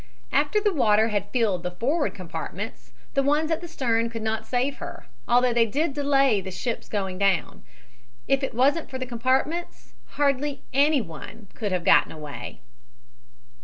"After the water had filled the forward compartments, the ones at the stern could not save her, although they did delay the ship's going down. If it wasn't for the compartments hardly anyone could have got away."